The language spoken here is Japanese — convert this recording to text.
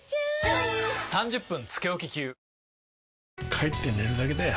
帰って寝るだけだよ